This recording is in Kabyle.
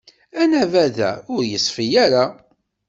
Anabaḍ-a ur yeṣfi ara.